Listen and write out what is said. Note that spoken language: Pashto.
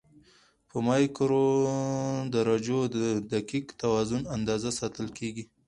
په مایکرو درجو د دقیق توازن اندازه ساتل کېږي.